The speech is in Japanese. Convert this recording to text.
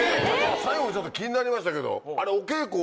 最後ちょっと気になりましたけど。